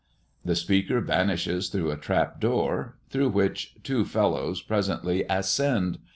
The speaker vanishes through a trap door, through which two fellows presently ascend.